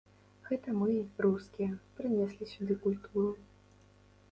Гэта мы, рускія, прынеслі сюды культуру.